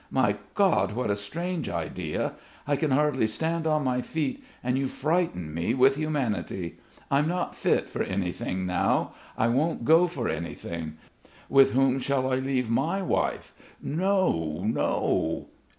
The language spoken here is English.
My God, what a strange idea! I can hardly stand on my feet and you frighten me with humanity. I'm not fit for anything now. I won't go for anything. With whom shall I leave my wife? No, no...."